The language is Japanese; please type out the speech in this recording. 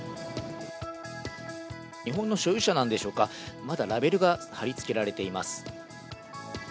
日本の所有者なんでしょうか、まだラベルが貼り付けられています。